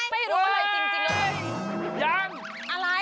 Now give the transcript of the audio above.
ไม่รู้ว่าอะไรจริงเลย